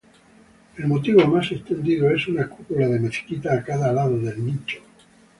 El motivo más extendido es una cúpula de mezquita a cada lado del nicho.